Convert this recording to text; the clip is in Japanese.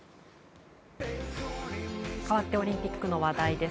かわってオリンピックの話題です。